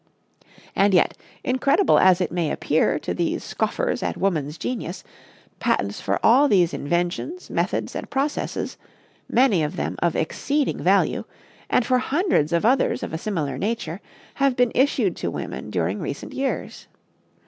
And yet, incredible as it may appear to these scoffers at woman's genius, patents for all these inventions, methods and processes many of them of exceeding value and for hundreds of others of a similar nature, have been issued to women during recent years.